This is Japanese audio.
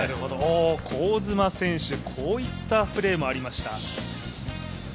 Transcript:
香妻選手、こういったプレーもありました。